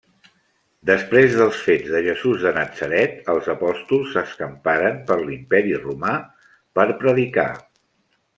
Després dels fets de Jesús de Natzaret, els apòstols s'escamparen per l'Imperi Romà per predicar.